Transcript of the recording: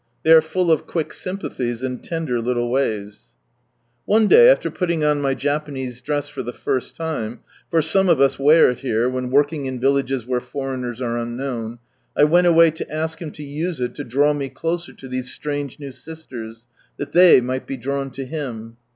They are full of <iuick sympathies and tender little ways. Fr Shanghai to Matsuye One day, after putting on my Japanese dress for the first time, (for some of us wear it here, when working in villages where foreigners are unknown,) I went away to ask Hira to use it to draw me closer to these strange new sisters, that they might be drawn to Him.